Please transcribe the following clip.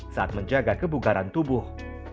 saat menjaga kebukaran tubuh